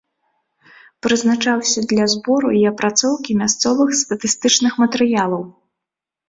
Прызначаўся для збору і апрацоўкі мясцовых статыстычных матэрыялаў.